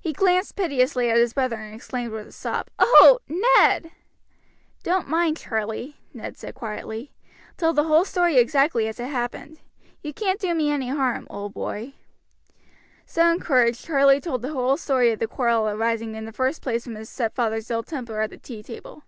He glanced piteously at his brother, and exclaimed with a sob, "Oh! Ned." "Don't mind, Charlie," Ned said quietly. "Tell the whole story exactly as it happened. You can't do me any harm, old boy." So encouraged Charlie told the whole story of the quarrel arising in the first place from his stepfather's ill temper at the tea table.